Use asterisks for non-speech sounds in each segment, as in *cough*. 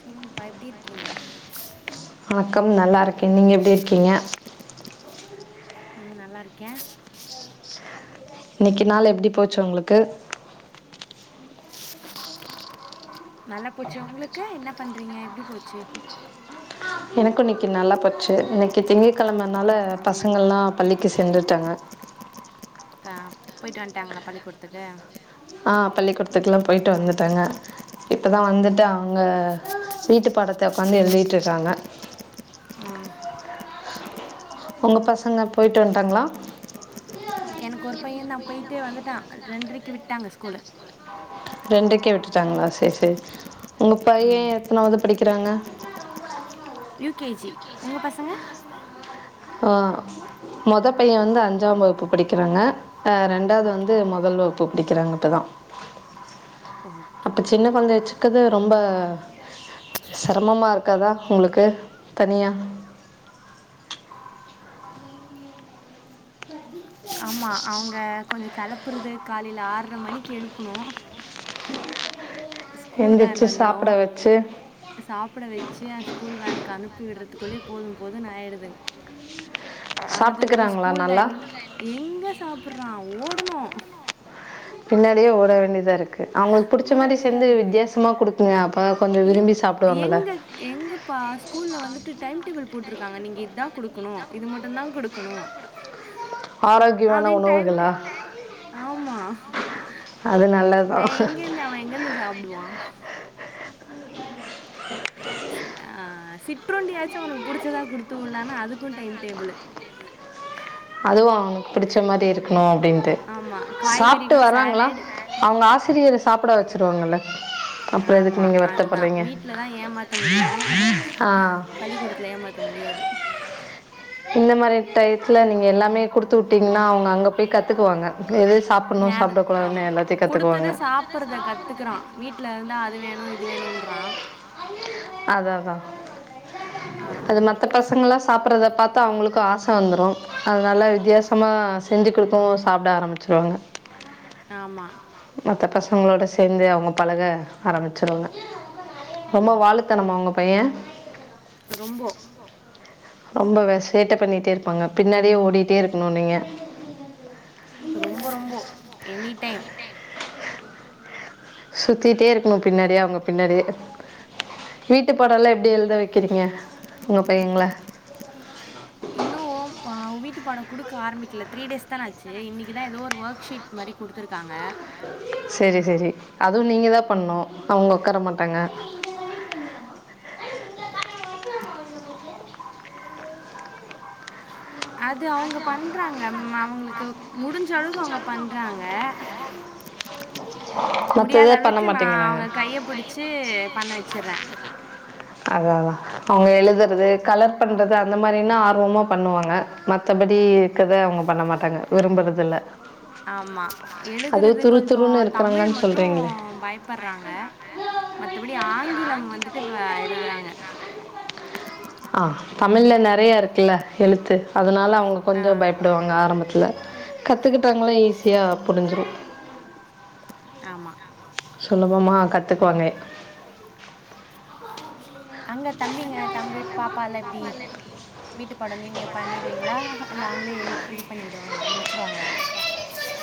சொல்லுங்ப்பா எப்டிருக்கீங்க வக்கம் நல்லாருக் நீங்க எப்டிருக்கீங்க ம் நல்லாருக்கே இன்னைக்கு நாள் எப்டி போச்சு உங்குளுக்கு நல்லா போச்சு உங்ளுக்கு என்ன பண்றீங்க எப்டி போச்சு எனக்கு இன்னைக்கு நல்லா போச்சு இன்னைக்கு திங்க கெழமனால பசங்கல்லா பள்ளிக்கு சென்றுட்டாங்க ஆ போய்ட்டு வந்ட்டாங்ளா பள்ளி கூடத்துக்கு ஆ பள்ளிக்கூடத்துக்குலா போயிட்டு வந்துட்டாங்க இப்ப தா வந்துட்டு அவங்க வீட்டு பாடத்த உக்காந்து எழுதிட்ருக்காங்க அ உங்க பசங்க போயிட்டு வந்டாங்ளா எனக்கு ஒரு பையன் தா போய்ட்டு வந்துட்டா ரெண்டரைக்கு விட்டாங்க ஸ்கூலு ரெண்டுக்கே விட்டுட்டாங்ளா சேரி சேரி உங்க பையன் எத்னாவது படிக் கிராங்க யூ கே ஜி உங்க பசங்க ஆ மொத பையன் வந்து அஞ்சாம் வகுப்பு படிக்கிறாங்க அ ரெண்டாவது வந்து மொதல் வகுப்பு படிக்கிறாங்க இப்பதா அப்ப சின்ன கொழந்தை வச்சுக்கது ரொம்ப செரமமா இருக்காதா உங்களுக்கு தனியா ஆமா அவங்க கொஞ்சோ கெளப் புறது காலைல ஆர்ர மணிக்கு எழுப்புணு ஸ்கூல் வேன் வந்துரு சாப்ட வச்சு ஸ்கூல் வேனுக்கு கனுப்பி விர் றதுக்குள்ளே போது போதுன் ஆயிடுது அம துவுல்லாம ஸ்கூல்ல என் எங்க சாப்புர் றா ஓடணு பின்னாடியே ஓட வேண்டிதாருக்கு அவுங்களுக் புடிச்ச மாரி செஞ்சு வித்யாசமா குடுப்பீங்க அப்ப தா கொஞ்சோ விரும்பி சாப்டுவாங்கல்ல *unintelligible* போட்ருக்காங்க நீங்க இத்தா குடுக்குணு இது மட்டுந்தா குடுக்குணு ஆரோக்கியமான உணவுகளா அது நல்ல தா *unintelligible* அவ எங்கருந்து சாப்டுவா ஸ் ஆ சிற்றுண்டியாச்சு அவனுக்கு புடிச்சதா குடுத்து வுட்லானா அதுக்கு டைம் டேபுளு அதுவு அவனுக்கு புடிச்ச மாரி இருக்குணு அப்டின்ட்டு சாப்ட்டு வராங்ளா அவங்க ஆசிரியர் சாப்ட வச்சிரு ருவாங்கள ஆமா அதுதா வீட்டுலதா ஏமாத்த முடியு பள்ளிக்கூடத்துல ஏமாத்த முடியாது இந்த மாரி டைத்துல நீங்க எல்லாமே குடுத்து விட்டீங்கன்னா அவங்க அங்கே போய் கத்துக்குவாங்க நேரா ஆமா குடுத்தத சாப்பறத கத்துக்கறா வீட்டு்ல இருந்தா அது வேணு இது இது வேணும்ன்றா அதா அதா அது மத்த பசங்கல்லா சாப்பறத பாத்தா அவங்களுக்கு ஆச வந்துரு அதனால வித்யாசமா செஞ்ச கொடுத்து சாப்ட ஆரம்பிச் சொல்லுவாங்க ஆமா மற்ற பசங்களோடு சேந்து அவங்க பழக ஆரம்பிச்சருங்க ரொம்ப வாழத் உங்க பைய ரொம்போ ரொம்பவே சேட்டை பண்ணிட்டே இருப்பாங்க பின்னாடியே ஓடிட்டே இருக்கணு நீங்க ரொம்ப ரொம்ப எனி டைம் சுத்திட்டே இருக்கணு பின்னாடியே அவங்க பின்னாடியே வீட்டு பாடல்லா எப்டி எழுத வைக்கிறீங்க உங்க பையங்கள இன்னு ஓம் அ வீட்டு பாட குடுக்க ஆரம்பிக்கல த்ரீ டேஸ் தான ஆச்சு இன்னைக்குதா ஏதோ ஒரு ஒர்க்ஷீட் மாரி குடுத்துருக்காங்க சரி சரி அதுவு நீங்க தா பண்ணணு அவங்க உக்கார மாட்டாங்க *unintelligible* அது அவங்க பண்றாங்க ம் அவங்களுக்கு முடிஞ்ச அளவுக்கு அவங்க பண்றாங்க முடியாத அளவுக்கு நா அவங்க கைய பிடிச்சி பண்ண வச்சிறே அதாதா அவங்க எழுதுறது கலர் பண்றது அந்த மாதிரனா ஆர்வமா பண்ணுவாங்க மத்தபடி இருக்கத அவங்க பண்ண மாட்டாங்க விரும்புறதுல்ல ஆமா எழுதுறது கொஞ்ச தமிழ் மட்டு பயப்பறாங்க மத்தபடி ஆங்கிலம் வந்துட்டு அ எழுதுறாங்க ஆ தமிழ்ல நெறைய இருக்குல்ல எழுத்து அ அதனா அவங்க கொஞ்ச பயப்படுவாங்க ஆரம்பத்தல கத்துக்கிட்டாங்களா ஈஸியா புரிஞ்சிடு ஆமா சுலபமா கத் கத்துக்குவாங்க அங்க தம்பிங்க தம்பி பாப்பால்லா எப்டி வீட்டு பட நீங்க பண்ணிடுவீங்களா இல்ல அவங்களே எ இது பண்ணிடுவாங்களா முடிச் வச்சுருவாங்களா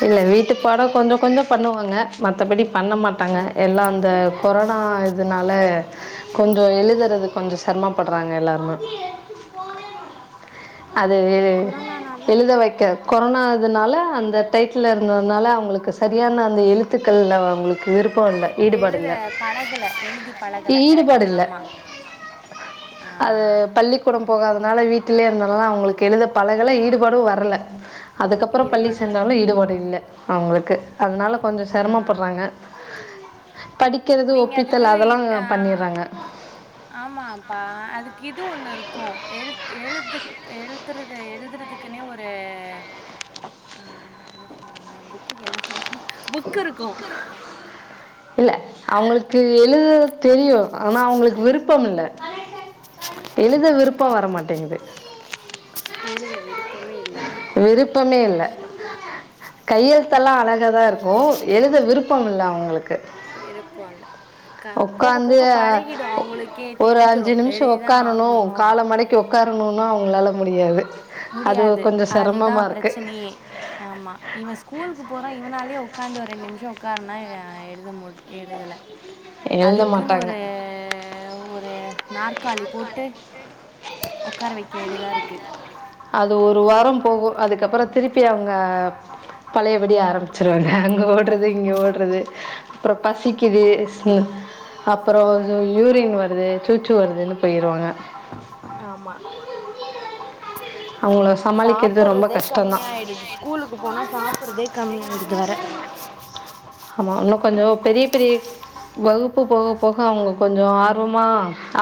இல்ல வீட்டு பாட கொஞ்ச கொஞ்ச பண்ணுவாங்க மத்தபடி பண்ண மாட்டாங்க எல்லா அந்த கொரோனா இதனால கொஞ்ச எழுதுறது கொஞ்ச செரமப்படுறாங்க எல்லாருமே அது எ எழுத வைக்க கொரோனாதுனால அந்தர் டைட்டில இருந்ததுனால அவங்களுக்கு சரியான அந்த எழுத்துக்கள் அவங்களுக்கு விரு போடலே ஈடுபாடு இல்ல ஈடுபாடு இல் அது பள்ளிக்கூடம் போகாதனால வீட்டிலேயே நல்ல அவங்களுக்கு எழுத பழகல ஈடுபாடு வரல அதுக்கப்புற பள்ளி சனி நல்ல ஈடுபாடு இல்ல அவங்களுக்கு அதனால கொஞ்ச செரமப்படுறாங்க படிக்கிறது ஒப்பித்தல் அதெல்லா பண்ணிறாங்க இத எழுதுறதுக்குன்னே ஒரு ம் என்ன சொன்னாங்க புக்குக்கு என்ன சென்னாங்க புக்கு இருக்கு இல்ல அவங்களுக்கு எழு தெரியு ஆனா அவங்களுக்கு விருப்பம்மில்ல எழுத விருப்பா வரமாட்டேங்குது எழுத விருப்பமே இல்ல விருப்பமே இல்ல கையெழுத்தெல்லா அழக தா இருக்கு எழுத விருப்பமில்ல அவ அவளுக்கு இருப்பால ஒக்காந்து ஒரு அஞ்சு நிமிஷ ஒக்காரணு கால மடக்கி ஒக்காரணும்னா அவங்களால முடியாது முடியாது அதுதா ப்ரச்சனையே ஆமா இவ ஸ்கூலுக்கு போறா இவனாலயே உக்காந்து ஒரு ரெண்டு நிமிஷ உக்காருன்னா எழுத மு எழுதல அதுக்குன்னு ஒரு ஒரு நாற்காலி போட்டு உக்கார வைக்கேடிதா இருக்கு அது ஒரு வார போகு அதுக்கப்பற திருப்பி அவங்க பழையபடிய ஆரம்பிச்சிருவாங்க அங்க ட்றது இங்க ஓடுறது அப்பற பசிக்குது அப்பற யூரின் வருது சூச்சு வருதுன்னு போயிருவாங்க *inaudible* சாப்பறதே கம்மி ஆயிடுது ஸ்கூலுக்கு போனா சாப்பறதே கம்மி ஆயிடுது வர வர பெரிய பெரிய வகுப்பு போக போக அவங்க கொஞ்ச ஆர்வமா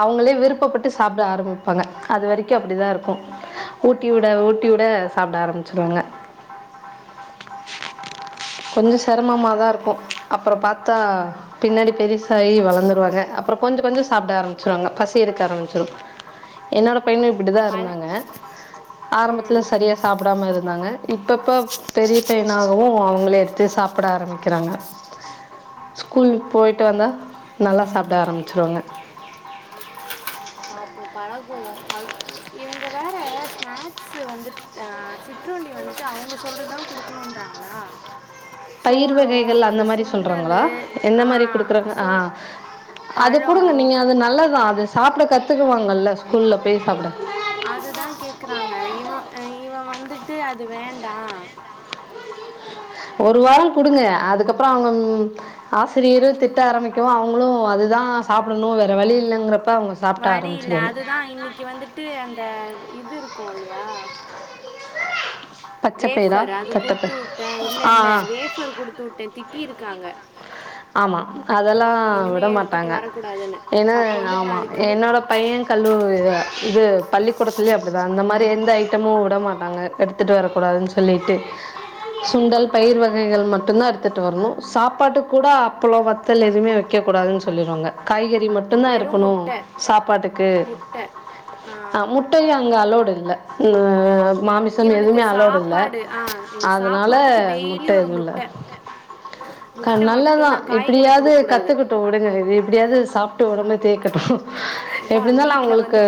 அவங்களே விருப்பப்பட்டு சாப்ட ஆரம்பிப்பாங்க அது வரைக்கு அப்டிதா இருக்கு ஊட்டி விட ஊட்டி விட சாப்ட ஆரம்பிச்சிருவாங்க கொஞ்ச செரமமாதா இருக்கு அப்பற பாத்தா பின்னாடி பெருசாகி வளந்துருவாங்க அப்பற கொஞ்ச கொஞ்ச சாப்பட ஆரம்பிச்சிருவாங்க பசி எடுக்க ஆரம்பிச்சிரு என்னோடய பையனு இப்டி தா இருந்தாங்க ஆரம்பத்தில சரியா சாப்டாம இருந்தாங்க இப்பப்ப பெரிய பையனாகவு அவங்களே எடுத்து சாப்ட ஆரம்பிக்கிறாங்க ஸ்கூல் போயிட்டு வந்தா நல்லா சாப்ட ஆரம்பிச்சிருவாங்க இவுங்க வேற ஸ்நாக்ஸ் வந்து ஆ சிற்றுண்டி வந்து து அவங்க சொல்றதுதா குடுக்குணுன்றாங் அலா பயிர் வகைகள் அந்த மாரி சொல்றாங்ளா எந்த மாரி குடுக்றாங்க ஆ அது குடுங்க நீங்க அது நல்லதுதா அது சாப்ட கத் துக்குவாங்கல்ல ஸ்கூல்ல போய் சாப்ட அதுதா கேக்குறாங்க இவ இவன் வந்துட்டு அது வேண்டா ஒரு வாரொ குடுங்க அதுக்கப்றம் அவங்க ம் ஆசிரியரு திட்ட ஆரம்பிக்கவு அவங்களு அதுதா சாப்டணு வேற வழி இல்லங்றப் வழி இல்ல அதுதா இன்னைக்கு வந்துட்டு அந்த இதுருக் கு இல்லியா வேஃபர் அது குடுத்து உட்ட இல்ல இல்ல வேஃபர் குடுத்து உட்டே திட்டி இருக்காங்க ஆமா அதெல்லா விடமாட்டாங்க ஏனா ஆமா என்னோட பையன் கல்லூ இது பள்ளிக்கூ கூடத்துலயு அப்டிதா அந்த மாரி எந்த ஐட்டமு விட மாட்டாங்க எடுத்துட்டு வரக்கூடாதுன் சொல்லிட்டு சுண்டல் பயிர் வகைகள் மட்டு தா எடுத்துட்டு வர்ணு சாப்பாட்டுக்கு *unintelligible* அப்பலோ வத்தல் எதுமே வக்க கூடாதுன் சொல்லிருவாங்க காய்கறி றி மட்டு தா இருக்கணு சாப்பாட்டுக்கு அ முட்டையு அங்க அலோடு இல்ல *inaudible* மாமிசம் எதுமே அலோடு இல்ல அதனால முட்ட எதுவு ல்ல த நல்லதா இப்டியாது கத்துக்குட்டு உடுங்க இது இப்டியாது சாப்ட்டு ஒடம்ப தேக்கட்டு எப்டி இந்தாலு அவுங்களுக்கு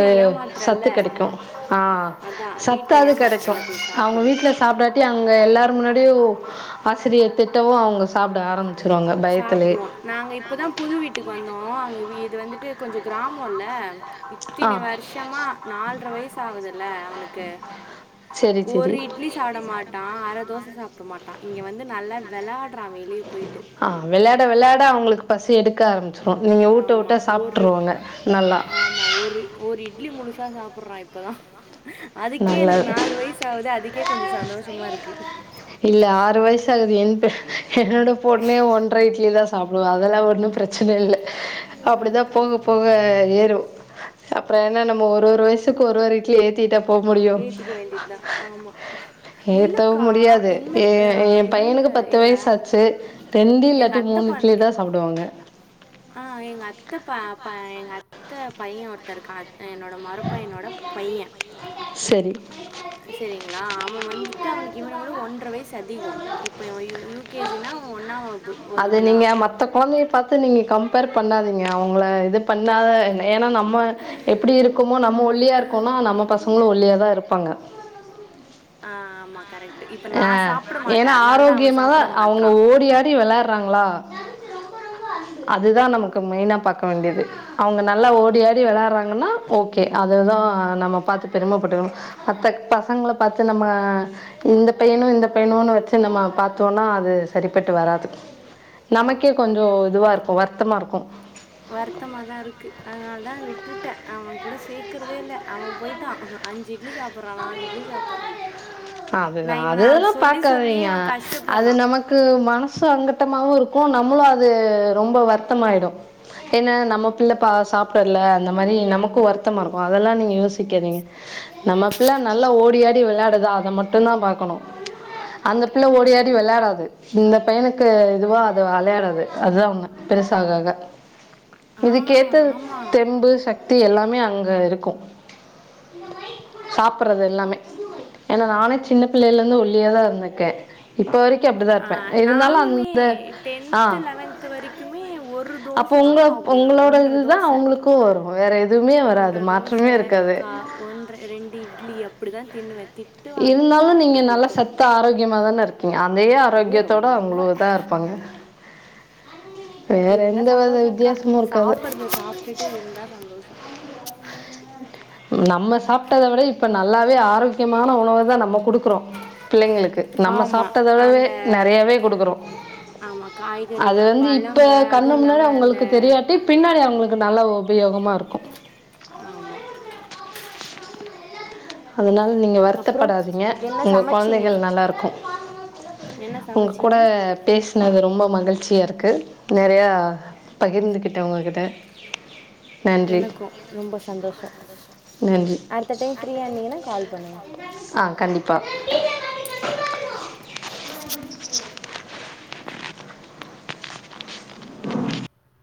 சத்து கெடைக்கு ஆ சத்தாது கெடைக்கு அவங்க வீட்ல சாப்டாட்டி அங்க எல்லார் முன்னாடியு ஆசிரியர் திட்டவு அவங்க சாப்ட ஆரம்பிச் சாப்டுவோ நாங்க இப்பதா புது வீட்டுக்கு வந்தோ அங்க வீ இது வந்துட்டு கொஞ்சோ கிராமோ ல்ல இத்தினி வர்ஷமா நால்ர வய்சு ஆவுதுல அவனுக்கு ஒரு இட்லி சாப்ட மாட்டா அர தோச சாப்ட மாட்டா இங்க வந்து நல்லா வெளாட் றா வெளிய போயிட்டு வெலாட வெலாட அவங்ளுக்கு பசி எடுக்க ஆரம் ஆமா ஒரு ஆமா ஒரு ஒரு இட்லி முழுசா சாப் ப்புர் றா இப்பதா அதுக்கே எனக்கு நாலு வயசு ஆவுது அதுக்கே கொஞ்சோ சந்தோஷமாருக்கு என்னோட பொண்ணே ஒன்ர இட்லி தா சாப்டுவா அதெல்லா ஒன்னு பிரச்சன இல்ல அப்டிதா போக போக ஏறு அப்பற அதா நம்ம ஒரு ஒரு வயசுக்கு ஒரு ஒரு இட்லி ஏத்திட்டப் முடியும் ஏத்தவும் முடியாது ஏ ஏ பையனுக்கு பத்து வயசாச்சு ரெண்டூ இல்லாட்டி மூணு இட்லியே தா சாப்பிடுவாங்க அ எங்க அத்தப் ப ப எங்க அத்த பையே ஒருத்தருக்கா அ என்னோட மொறப்பையனோட பைய அ செரிங்களா அவ வந்துட்டு அவனுக்கு இவன விட ஒன்றரை வயசு அதிகோ இப்ப யு யுகேஜினா அவ ஒன்னாவகு ப்பு வகுப்பு தா பத்து நீங்க கம்பேர் பண்ணாதீங்க அவங்கள இது பண்ணாத ஏன்னா நம்ம எப்பிடி இருக் குமோ நம்ம ஒல்லியா இருக்கோன்னா நம்ம பச பசங்களு ஒல்லியா தா இருப்பாங்க ஆ ஆமா கரெக்ட் ஆ ஏனா ஆரோக்கியமாதா அவுங்க ஓடியாடி வெளாட் ட்றாங்களா அதுதா நமக்கு மெய்னா பாக்க வேண்டியது அவுங்க நல்லா ஓடி ஆடி வெளையாடுறாங்கன்னா ஓகே அதுதா நம்ம பாத்து பெருமைப்பட்டுக்கணு மத்த பசங்கள பாத்து நம்ம இந்த பையனு இந்த பையனுன்னு வச்சு நம்ம பாத்தோன்னா அது சரிப்பட்டு வராது நமக்கே கொஞ்சோ இதுவாரு க்கு வருத்தமாருக்கூ வருத்தமா தா இருக்கு அதனால தா விட்டுட்டே அவ கூட கேட்கறதே இல்ல அவ போயிட்டா அஞ்சு இட்லி சாப்புட்றா நாலு இட்லி சாப்புட்றா அதுதா அதெல்லா பாக்காதீங்க அது நமக்கு மனசு அங்கட்டமாவு இருக் கும் நம்மளு அது ரொம்ப வருத்தமாயிடு ஏன நம்ம புள்ளை பா சாப்பிடல அந்த மாதிரி நமக்கு வருத்தமாருக்கு அதெல்லா நீங்க யோசிக்காதீங்க நம்ம புள்ள நல்லா ஓடி ஆடி வெள்ளாடுதா அத மட்டும்தா பாக்கணு அந்த பிள்ள ஓடி ஆடி வெள்ளாடாது இந்த பையனுக்கு இதுவா அத வெளையாடாது அதா ஒண்ணு பெருசா அக அக இதுக்கேத்த தெம்பு சக் தி எல்லாமே அங்க இருக்கு சாப்பட்றது எல்லாமே ஏனா நானே சின்ன பிள்ளேல்ல இருந்து ஒல்லியா தா இருந்துருக்கே இப்ப வரைக் ஆ நானுமே டென்து லெவன்த் வரைக்குமே ஒரு தோச தா சாப்டுவே ஒன்டற தோச ஒன்றர தோச கா ஒன்டற ரெண்டு இட்லி அப்பிடிதா தின்னுவே இருந்தாலு நீங்க நல்லா சத்தா ஆரோக்கியமா தான இருக் இருங்கோ அதே ஆரோக்கியத்தவுட அவங்களுந்தா இருப்பாங்க ஆம் இருந்தா சந்தோஷங்கா சாப்புடறத சாப்ட்டுட்டு இருந்தா சந்தோஷோ நம்ம சாப்ட்டத விட இப்போ நல்லாவே ஆரோக்கியமான உணவ தா நம்ம குடுக்குறோ பிள்ளைங்களுக்கு கு நம்ம சாப்பறதவிடவே நறையாவே குடுக்கறோ அது வந்து இப்ப கண்ண மின்னாடி அவங்களுக்கு தெரியாட்டி பின்னாடி அவங்களு நல்ல உபயோகமா இருக்கு ஆமா அதல நீங்க வருத்தப்படாதீங்க உங்கள் குழந்தைகள் நல்லாருக்கும் உங்க கூட பேச நது ரொம்ப மகிழ்ச்சியாக இருக்கு நறையா பகிர்ந்துக்கிட்டே உங்க கிட்ட எனக்கு ரொம்ப சந்தோஷம் அடுத்த டைம் ஃப்ரீயா இருந்தீங்கன்னா கால் பண்ணுங்க ஆ கண்டிப்பா கண்டிப்ப தேங்க்யூ